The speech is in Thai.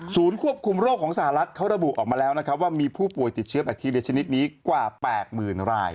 ควบคุมโรคของสหรัฐเขาระบุออกมาแล้วนะครับว่ามีผู้ป่วยติดเชื้อแบคทีเรียชนิดนี้กว่า๘๐๐๐ราย